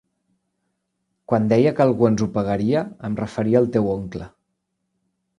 Quan deia que algú ens ho pagaria, em referia al teu oncle.